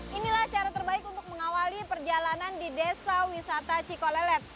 inilah cara terbaik untuk mengawali perjalanan di desa wisata cikolelet